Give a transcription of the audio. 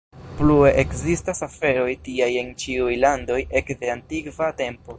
Plue ekzistas aferoj tiaj en ĉiuj landoj ekde antikva tempo.